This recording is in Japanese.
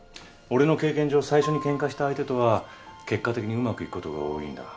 俺の経験上最初にケンカした相手とは結果的にうまくいくことが多いんだ。